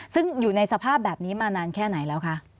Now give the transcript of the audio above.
ซึ่งอยู่ในสภาพแบบนี้มานานแค่ไหนแล้วคะ